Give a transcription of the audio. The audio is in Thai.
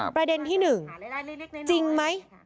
ประเด็นที่๑จริงไหม